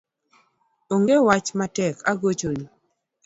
Onge wach matek agochoni